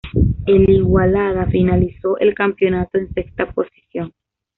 El Igualada finalizó el campeonato en sexta posición.